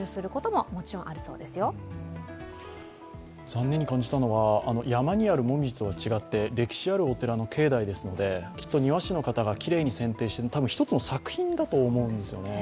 残念に感じたのは山にあるもみじとは違って歴史あるお寺の境内ですのできっと庭師の方がきれいに剪定して、多分１つの作品だと思うんですよね。